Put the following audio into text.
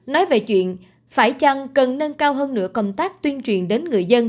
nói về chuyện phải chăng cần nâng cao hơn nữa công tác tuyên truyền đến người dân